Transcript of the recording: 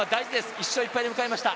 １勝１敗で迎えました。